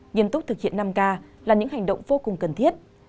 nghiêm túc thực hiện năm k là những hành động vô cùng cần thiết